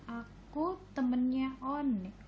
aku temennya onik